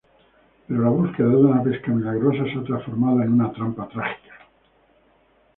Pero la búsqueda de una pesca milagrosa se ha transformado en una trampa trágica.